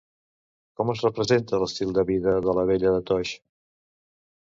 Com es representa l'estil de vida de la vella de Toix?